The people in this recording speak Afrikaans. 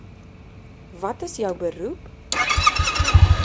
Wat is jou beroep?